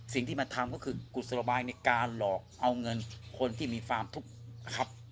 สิ่งที่มันทำก็คือกุศลบายในการหลอกเอาเงินคนที่มีความทุกข์นะครับ